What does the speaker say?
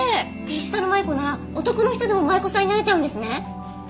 デジタル舞子なら男の人でも舞子さんになれちゃうんですね！